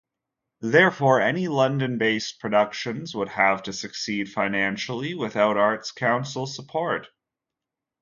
Therefore, any London-based productions would have to succeed financially without Arts Council support.